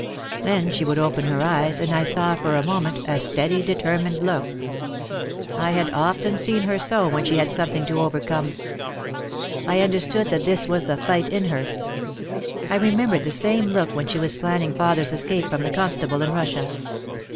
Then she would open her eyes and I saw for a moment a steady, determined look. I had often seen her so when she had something to overcome. I understood that this was the fight in her. I re membered the same look when she was planning father's escape from the constable in Russia.